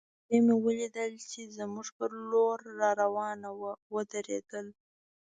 بګۍ مې ولیدل چې زموږ پر لور را روانه وه، ودرېدل.